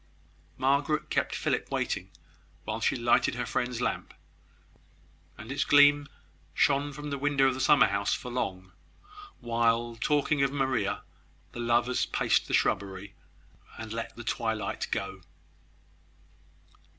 Margaret kept Philip waiting while she lighted her friend's lamp; and its gleam shone from the window of the summer house for long, while, talking of Maria, the lovers paced the shrubbery, and let the twilight go.